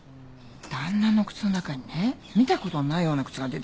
旦那の靴の中にね見たことのないような靴が出てきたのよ